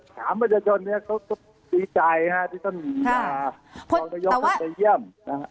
สามประชาชนเนี่ยเขาดีใจนะฮะที่ต้องยอมไปเยี่ยมนะฮะ